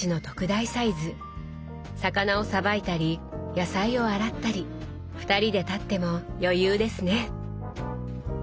魚をさばいたり野菜を洗ったり２人で立っても余裕ですね。